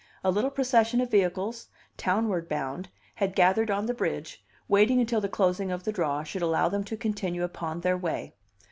A little procession of vehicles, townward bound, had gathered on the bridge, waiting until the closing of the draw should allow them to continue upon their way.